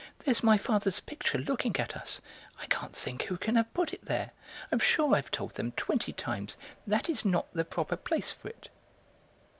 there's my father's picture looking at us; I can't think who can have put it there; I'm sure I've told them twenty times, that is not the proper place for it."